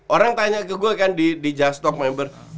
orang tanya ke gue kan di just talk member